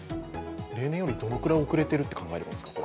例年よりどのくらい遅れていると考えればいいですか？